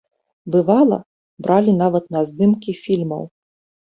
Бывала, бралі нават на здымкі фільмаў.